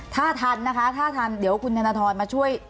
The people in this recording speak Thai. ถ้าทันนะคะถ้าทันเดี๋ยวคุณธนทรมาช่วย